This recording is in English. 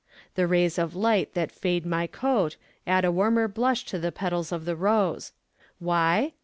The rays of light that fade my coat add a warmer blush to the petals of the rose. Why?